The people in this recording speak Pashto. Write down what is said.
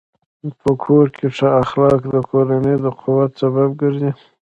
په کور کې ښه اخلاق د کورنۍ د قوت سبب ګرځي.